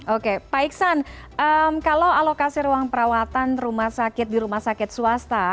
oke pak iksan kalau alokasi ruang perawatan rumah sakit di rumah sakit swasta